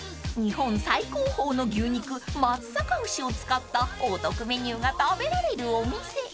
［日本最高峰の牛肉松阪牛を使ったお得メニューが食べられるお店］